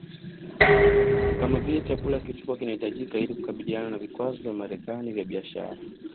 kama vile chakula kilichokua kinahitajika ili kukabiliana na vikwazo vya Marekani vya biashara